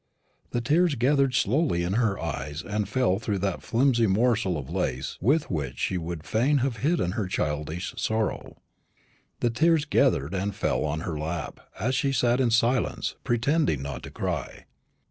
The tears gathered slowly in her eyes and fell through that flimsy morsel of lace with which she would fain have hidden her childish sorrow. The tears gathered and fell on her lap as she sat in silence, pretending not to cry.